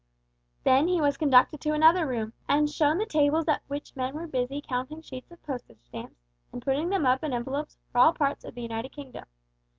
Then he was conducted to another room, and shown the tables at which men were busy counting sheets of postage stamps and putting them up in envelopes for all parts of the United Kingdom.